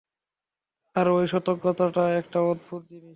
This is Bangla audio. তার ঐ সতর্কতাটা একটা অদ্ভুত জিনিস।